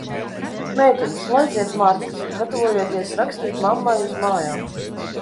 Meitenes, laiziet markas, gatavojieties rakstīt mammai uz mājām!